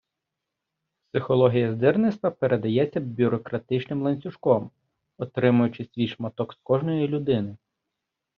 Психологія здирництва передається бюрократичним ланцюжком, отримуючи свій шматок з кожної людини.